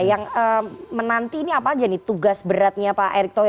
yang menanti ini apa aja nih tugas beratnya pak erick thohir